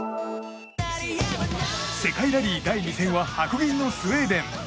世界ラリー第２戦は白銀のスウェーデン。